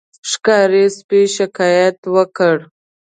ښکاري سپي شکایت وکړ.